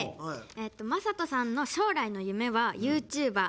将人さんの将来の夢はユーチューバー。